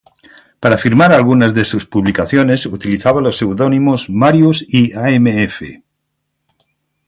Para firmar algunas de sus publicaciones utilizaba los seudónimos "Marius" y "AmF".